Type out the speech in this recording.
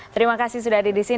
terima kasih sudah ada di sini